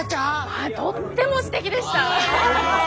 はいとってもすてきでした。